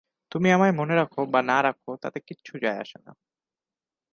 তুমি আমায় মনে রাখো বা না রাখো তাতে কিচ্ছু যায় আসে না।